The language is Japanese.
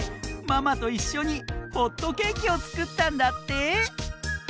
ママといっしょにホットケーキをつくったんだって！